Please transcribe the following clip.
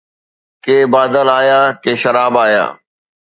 ڪي بادل آيا، ڪي شراب آيا